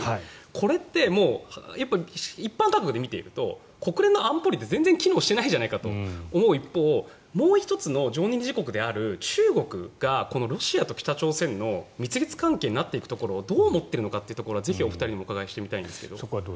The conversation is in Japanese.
これって、見ていると国連の安保理って全然機能してないじゃないかと思う一方もう１つの常任理事国である中国がこのロシアと北朝鮮の蜜月関係になっていくところをどう思っているのかというのをぜひお二人にお伺いしてみたいんですが。